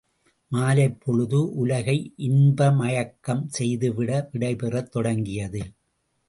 மாலைப் பொழுது, உலகை இன்பமயக்கம் செய்துவிட்டு விடை பெறத் தொடங்கியது.